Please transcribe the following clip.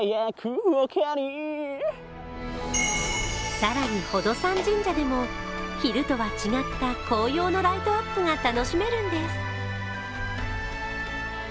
更に、宝登山神社でも昼とは違った紅葉のライトアップが楽しめるんです。